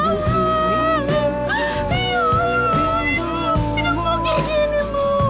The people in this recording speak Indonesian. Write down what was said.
ibu hidupmu kini ibu